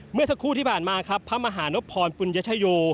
เมื่อสักครู่ที่ผ่านมาครับพระมหานพรปุญญชโย